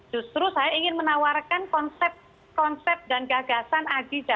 justru saya ingin menawarkan konsep dan gagasan aji